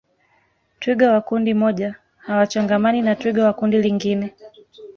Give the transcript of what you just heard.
twiga wa kundi moja hawachangamani na twiga wa kundi lingine